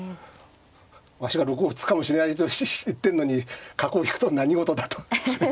わしが６五歩突くかもしれないとひしひし言ってんのに角を引くとは何事だと。